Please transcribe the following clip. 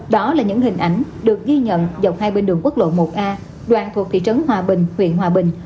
đó là những hình ảnh được ghi nhận dọc hai bên đường quốc lộ một a đoạn thuộc thị trấn hòa bình huyện hòa bình